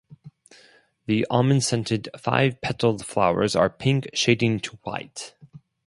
The almond-scented, five-petalled flowers are pink shading to white.